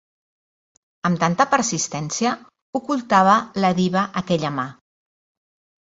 ...amb tanta persistència ocultava la diva aquella mà